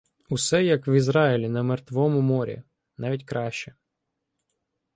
Усе, як в Ізраїлі на Мертвому морі, навіть краще